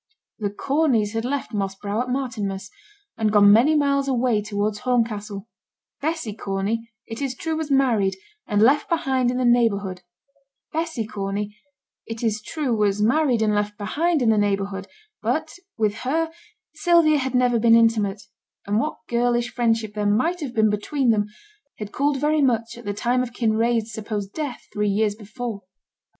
The Corneys had left Moss Brow at Martinmas, and gone many miles away towards Horncastle. Bessy Corney, it is true was married and left behind in the neighbourhood; but with her Sylvia had never been intimate; and what girlish friendship there might have been between them had cooled very much at the time of Kinraid's supposed death three years before.